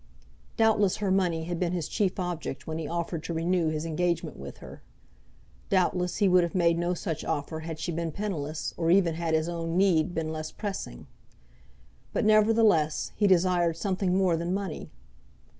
Doubtless her money had been his chief object when he offered to renew his engagement with her. Doubtless he would have made no such offer had she been penniless, or even had his own need been less pressing. But, nevertheless, he desired something more than money.